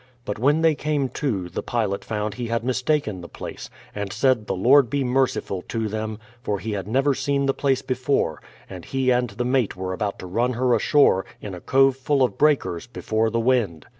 But when they came to, the pilot found he had mistaken the place, and said the Lord be merciful to them, for he had never seen the place before; and he and the mate were about to run her THE PLY]VIOUTH SETTLE3.IENT 73 ashore, in a cove full of breakers, before the wind.